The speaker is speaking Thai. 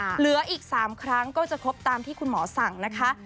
เหลืออีก๓ครั้งก็จะครบตามที่คุณหมอสั่งนะคะ